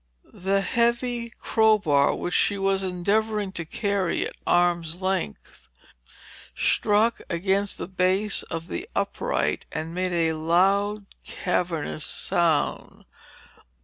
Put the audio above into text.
The heavy crowbar which she was endeavoring to carry at arm's length, struck against the base of the upright and made a loud, cavernous sound.